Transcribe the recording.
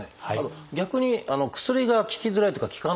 逆に薬が効きづらいっていうか効かないってこともあるんですか？